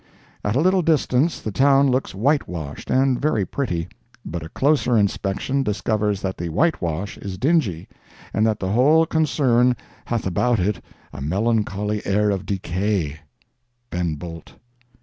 At a little distance the town looks whitewashed and very pretty, but a closer inspection discovers that the whitewash is dingy, and that the whole concern hath about it a melancholy air of decay—Ben Bolt.